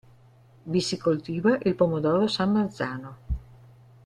Vi si coltiva il pomodoro San Marzano.